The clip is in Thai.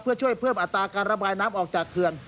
เพื่อช่วยเพิ่มอัตราการระบายน้ำออกจากเขื่อน